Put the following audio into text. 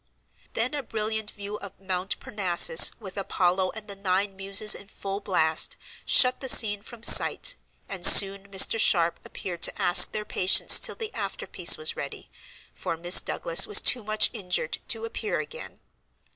Then a brilliant view of Mount Parnassus, with Apollo and the Nine Muses in full blast, shut the scene from sight, and soon Mr. Sharp appeared to ask their patience till the after piece was ready, for Miss Douglas was too much injured to appear again.